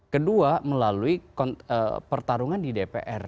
kedua melalui pertarungan di dpr